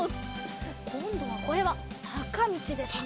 こんどはこれはさかみちですね。